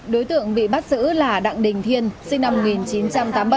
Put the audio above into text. đối tượng bị bắt giữ là đặng đình thiên sinh năm một nghìn chín trăm tám mươi bảy